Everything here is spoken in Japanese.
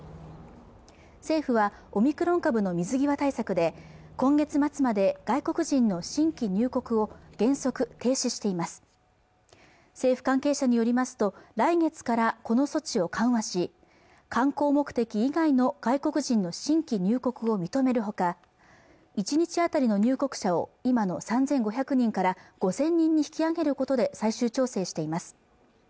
政府はオミクロン株の水際対策で今月末まで外国人の新規入国を原則停止しています政府関係者によりますと来月からこの措置を緩和し観光目的以外の外国人の新規入国を認めるほか１日あたりの入国者を今の３５００人から５０００人に引き上げることで最終調整しています